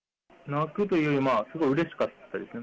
泣くというより、すごいうれしかったですね。